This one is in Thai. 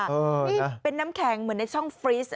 นี่เป็นน้ำแข็งเหมือนในช่องฟรีส